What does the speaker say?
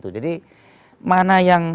jadi mana yang